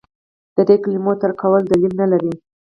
د دې کلمو ترک کول دلیل نه لري.